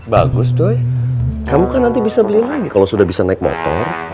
bagus doy kamu kan nanti bisa beli lagi kalau sudah bisa naik motor